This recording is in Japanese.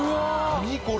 何これ？